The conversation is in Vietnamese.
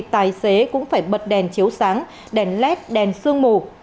tài xế cũng phải bật đèn chiếu sáng đèn led đèn sương mù